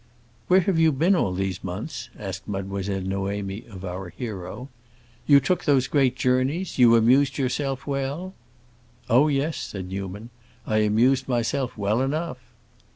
"Where have you been all these months?" asked Mademoiselle Noémie of our hero. "You took those great journeys, you amused yourself well?" "Oh, yes," said Newman. "I amused myself well enough."